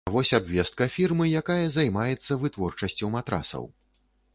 А вось абвестка фірмы, якая займаецца вытворчасцю матрасаў.